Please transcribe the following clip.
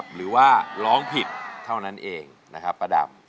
หรือว่าร้องผิดเท่านั้นเองนะครับป้าดำ